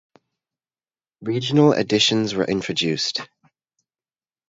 Regional editions were introduced.